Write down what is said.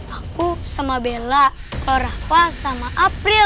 aku sama bella kalau rahwa sama april